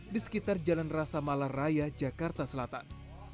di sekitar jalan rasa malar raya jakarta selatan